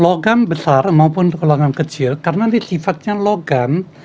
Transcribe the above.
logam besar maupun logam kecil karena nanti sifatnya logam